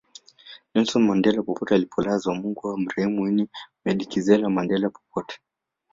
Nelson Mandela popote alipolazwa Mungu amrehemu Winnie Medikizela Mandela popote